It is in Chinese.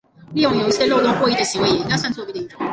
利用游戏的漏洞获益的行为也应该算作作弊的一种。